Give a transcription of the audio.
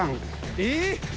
えっ！？